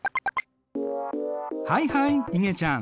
はいはいいげちゃん。